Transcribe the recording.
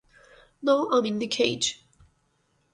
No I'm in the Cage.